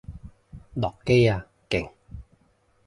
落機啊！勁！